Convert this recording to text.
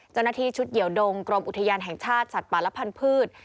เจ้าหน้าที่ชุดเหี่ยวดงกรมอุทยานแห่งชาติสัตว์ป่าและพันธุ์